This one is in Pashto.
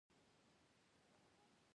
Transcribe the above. د تېر جنګ مالي لګښت اوولس میلیونه پونډه وو.